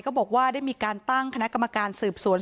ก็บอกว่าได้มีการตั้งคณะกรรมการสืบสวน